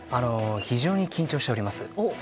非常に緊張しております。